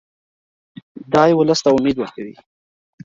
دی ولس ته امید ورکوي.